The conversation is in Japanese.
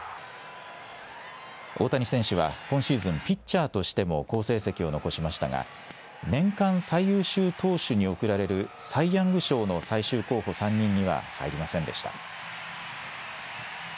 大谷選手は今シーズン、ピッチャーとしても好成績を残しましたが、年間最優秀投手に贈られるサイ・ヤング賞の最終候補３人には入りませんでした。